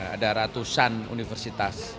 ada ratusan universitas